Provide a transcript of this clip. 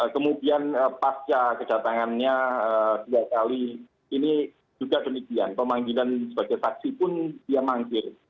kemudian pasca kejatangannya ini juga kemudian pemanggilan sebagai saksi pun dia mangkir